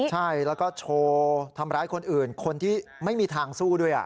ใช่แล้วก็โชว์ทำร้ายคนอื่นคนที่ไม่มีทางสู้ด้วย